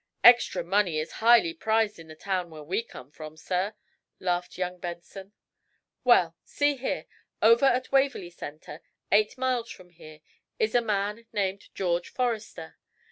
"Extra money is highly prized in the town where we come from, sir," laughed young Benson. "Well, see here, over at Waverly Center, eight miles from here, is a man named George Forrester.